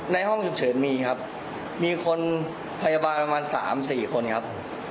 ห้องฉุกเฉินมีครับมีคนพยาบาลประมาณ๓๔คนครับ